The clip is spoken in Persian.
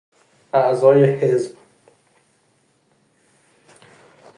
اعضای حزب